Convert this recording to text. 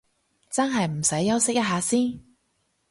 真係唔使休息一下先？